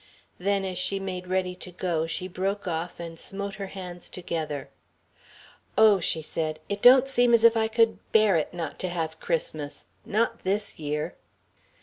Then, as she made ready to go, she broke off and smote her hands together. "Oh," she said, "it don't seem as if I could bear it not to have Christmas not this year."